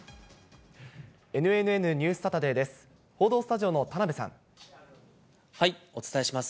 ＮＮＮニュースサタデーです。